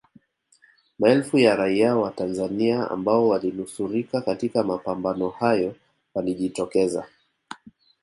Maelfu ya raia wa Tanzania ambao walinusurika katika mapambano hayo walijitokeza